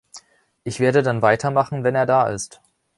Ich werde dann weitermachen, wenn er da ist.